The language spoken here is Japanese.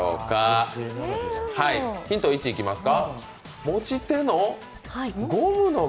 ヒント１いきますか。